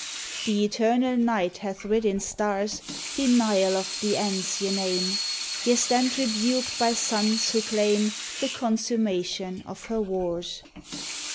The eternal Night hath writ in stars Denial of the ends ye name ; Ye stand rebuked by suns who claim The consummation of her wars.